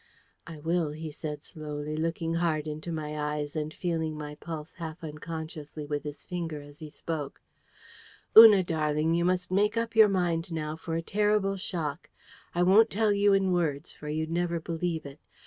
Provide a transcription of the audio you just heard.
"I will," he said slowly, looking hard into my eyes, and feeling my pulse half unconsciously with his finger as he spoke. "Una darling, you must make up your mind now for a terrible shock. I won't tell you in words, for you'd never believe it.